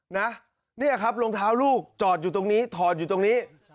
เนี่ยครับรองเท้าลูกจอดอยู่ตรงนี้ถอดอยู่ตรงนี้